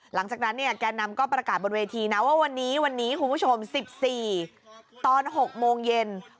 หลังจากนั้นเนี่ยแกนำก็ประกาศบนเวทีนะว่าวันนี้วันนี้คุณผู้ชม๑๔ตอน๖โมงเย็น